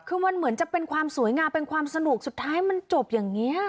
คือมันเหมือนจะเป็นความสวยงามเป็นความสนุกสุดท้ายมันจบอย่างนี้